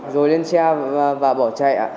rồi lên xe và bỏ chạy